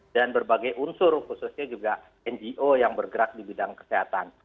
dan berbagai unsur khususnya juga ngo yang bergerak di bidang kesehatan